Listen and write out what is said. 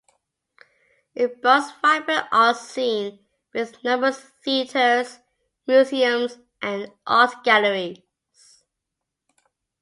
It boasts a vibrant arts scene with numerous theaters, museums, and art galleries.